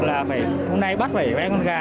là hôm nay bắt phải vẽ con gà